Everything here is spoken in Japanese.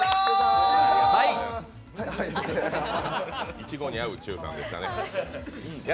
いちごに合うチウさんでしたね。